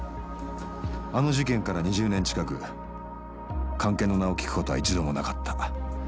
あの事件から２０年近く菅研の名を聞くことは一度もなかった。